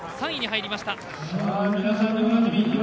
３位に入りました。